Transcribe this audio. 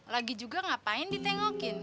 lagi juga ngapain ditengokin